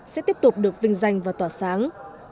sẽ tiếp tục được vinh danh và tỏa sáng